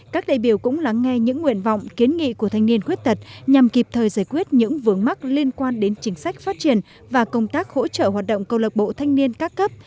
các đại biểu cũng lắng nghe những nguyện vọng kiến nghị của thanh niên khuyết tật nhằm kịp thời giải quyết những vướng mắc liên quan đến chính sách phát triển và công tác hỗ trợ hoạt động câu lạc bộ thanh niên các cấp